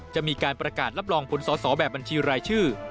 จะมีการประกาศรับรองผลสอสอแบบบัญชีรายชื่อ